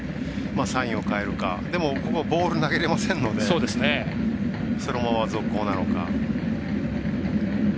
サインを変えるか、でもここボール投げれませんのでそのまま続行なのか。